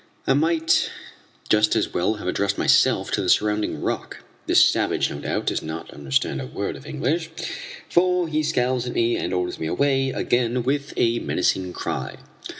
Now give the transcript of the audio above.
I might just as well have addressed myself to the surrounding rock. This savage, no doubt, does not understand a word of English, for he scowls at me and orders me away again with a menacing cry.